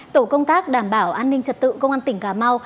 tổ công tác đảm bảo an ninh trật tự công an tỉnh cà mau